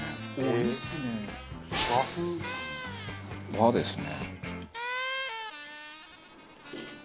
和ですね。